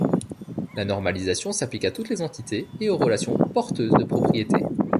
La normalisation s’applique à toutes les entités et aux relations porteuses de propriétés.